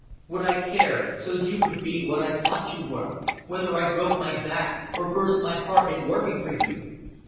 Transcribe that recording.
Would I care so's you could be what I thought you were whether I broke my back or burst my heart in working for you?